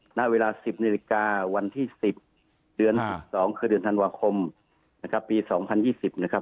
หน้าเวลา๑๐นิลิการ์วันที่๑๐เดือน๑๒เดือนธันวาคมปี๒๐๒๐นะครับ